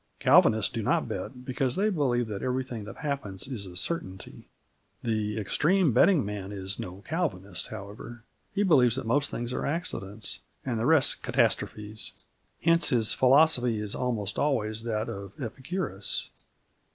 Calvinists do not bet, because they believe that everything that happens is a certainty. The extreme betting man is no Calvinist, however. He believes that most things are accidents, and the rest catastrophes. Hence his philosophy is almost always that of Epicurus.